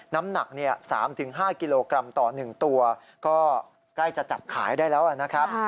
น้ำหนัก๓๕กิโลกรัมต่อ๑ตัวก็ใกล้จะจับขายได้แล้วนะครับ